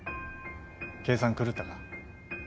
計算狂ったか？